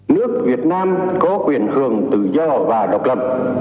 nước việt nam có quyền hưởng tự do và độc lập